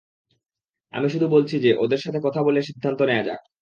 আমি শুধু বলছি যে, ওদের সাথে কথা বলে সিদ্ধান্ত নেয়া যাক।